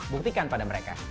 buktikan pada mereka